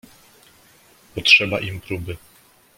"Potrzeba im próby."